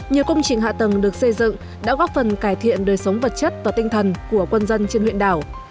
nhiều công trình hạ tầng được xây dựng đã góp phần cải thiện đời sống vật chất và tinh thần của quân dân trên huyện đảo